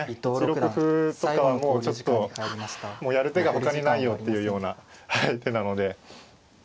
１六歩とかはもうちょっともうやる手がほかにないよっていうような手なので。